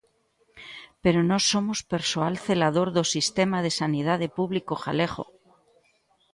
Pero nós somos persoal celador do sistema de sanidade público galego.